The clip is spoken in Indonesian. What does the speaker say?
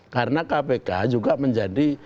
karena kpk juga menjadi